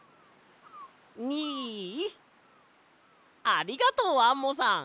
ありがとうアンモさん！